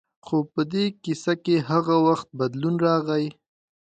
خو په دې کیسه کې هغه وخت بدلون راغی.